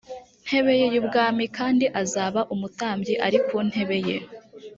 ntebe ye y ubwami kandi azaba umutambyi ari ku ntebe ye